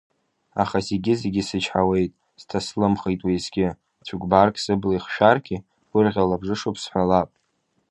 Аха зегьы-зегьы сычҳауеит, сҭаслымхеит уеизгьы, цәыкәбарк сыбла ихшәаргьы, гәырӷьа лабжышуп сҳәалап.